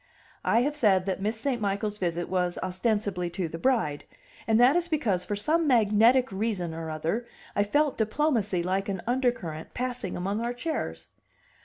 I have said that Miss St. Michael's visit was ostensibly to the bride: and that is because for some magnetic reason or other I felt diplomacy like an undercurrent passing among our chairs.